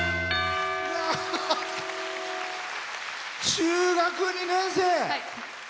中学２年生。